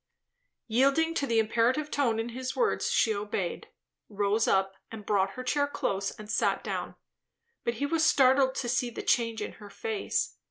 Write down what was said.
Yielding to the imperative tone in his words, she obeyed; rose up and brought her chair close and sat down; but he was startled to see the change in her face.